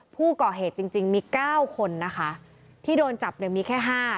ผู้ก่อเหตุจริงจริงมีเก้าคนนะคะที่โดนจับเนี่ยมีแค่ห้า